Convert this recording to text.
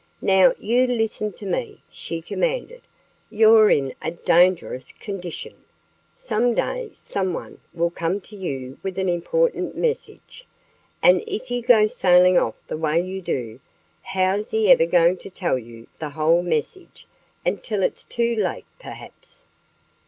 "Now, you listen to me!" she commanded. "You're in a dangerous condition. Some day someone will come to you with an important message. And if you go sailing off the way you do, how's he ever going to tell the whole message until it's too late, perhaps?"